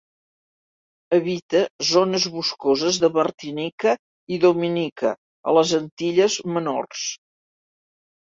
Habita zones boscoses de Martinica i Dominica, a les Antilles Menors.